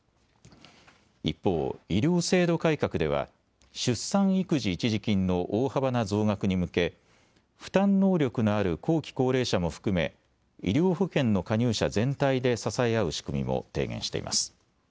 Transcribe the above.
一方、医療制度改革では出産育児一時金の大幅な増額に向け負担能力のある後期高齢者も含め医療保険の加入者全体で支え合う仕組みも提言しています。